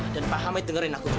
dan pak hamid dengerin aku juga